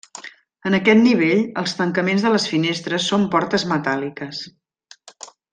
En aquest nivell els tancaments de les finestres són portes metàl·liques.